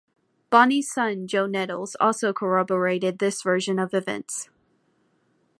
Bonnie's son, Joe Nettles, also corroborated this version of events.